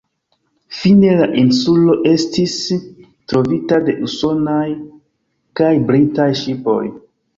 Fine la insulo estis trovita de usonaj kaj britaj ŝipoj.